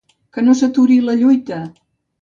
Que no s’aturi la lluita!